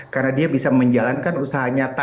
karena dia bisa menjalankan usahanya tanpa perlu ditekan